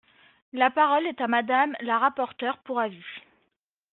La parole est à Madame la rapporteure pour avis.